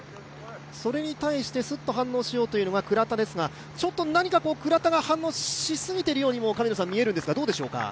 それに対してスッと反応しようというのが倉田ですが、何か倉田が反応しすぎているようにも見えますが、どうでしょうか。